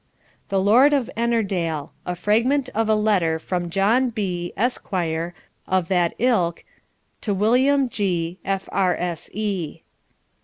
THE LORD OF ENNERDALE A FRAGMENT OF A LETTER FROM JOHN B , ESQ., OF THAT ILK, TO WILLIAM G , F.R.S.E.